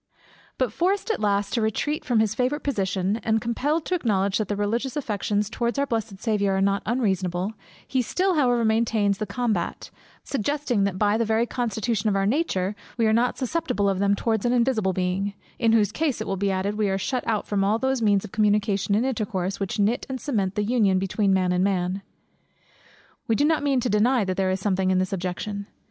_ But forced at last to retreat from his favourite position, and compelled to acknowledge that the religious affections towards our blessed Saviour are not unreasonable; he still however maintains the combat, suggesting that by the very constitution of our nature, we are not susceptible of them towards an invisible Being; in whose case, it will be added, we are shut out from all those means of communication and intercourse, which knit and cement the union between man and man. We mean not to deny that there is something in this objection.